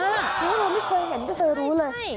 ไม่ค่อยเห็นบ้างเขาจะรู้เลย